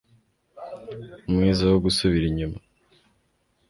Umwiza wo gusubira inyuma